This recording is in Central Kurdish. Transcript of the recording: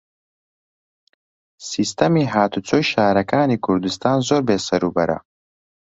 سیستەمی هاتوچۆی شارەکانی کوردستان زۆر بێسەروبەرە.